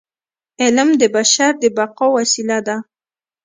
علم د بشر د بقاء وسیله ده.